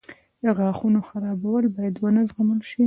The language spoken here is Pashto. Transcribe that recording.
• د غاښونو خرابوالی باید ونه زغمل شي.